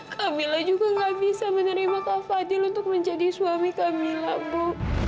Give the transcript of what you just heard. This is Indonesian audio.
kamila juga nggak bisa menerima kak fadil untuk menjadi suami kamila ibu